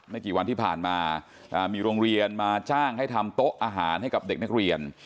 กี่วันที่ผ่านมามีโรงเรียนมาจ้างให้ทำโต๊ะอาหารให้กับเด็กนักเรียน